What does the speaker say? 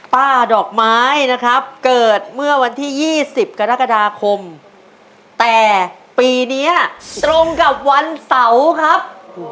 ดอกไม้นะครับเกิดเมื่อวันที่๒๐กรกฎาคมแต่ปีนี้ตรงกับวันเสาร์ครับ